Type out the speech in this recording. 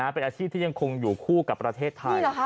เป็นอาชีพที่ยังคงอยู่คู่กับประเทศไทย